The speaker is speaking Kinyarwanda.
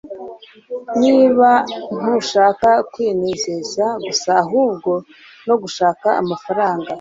niba ntushaka kwinezeza gusa ahubwo no gushaka amafaranga